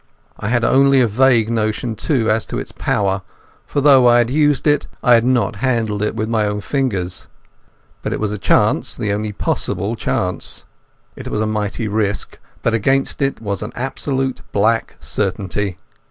I had only a vague notion, too, as to its power, for though I had used it I had not handled it with my own fingers. But it was a chance, the only possible chance. It was a mighty risk, but against it was an absolute black certainty.